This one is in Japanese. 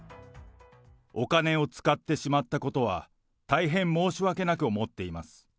お金を使ってしまったことは、大変申し訳なく思っています。